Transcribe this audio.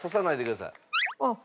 あっ。